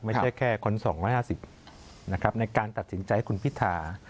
ไม่ใช่แค่คน๒๕๐ในการตัดสินใจคุณพิธา